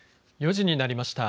４時になりました。